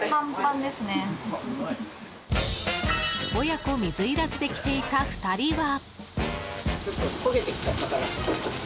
親子水入らずで来ていた２人は。